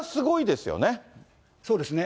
そうですね。